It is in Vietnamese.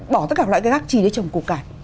bỏ tất cả các gác trì để trồng củ cải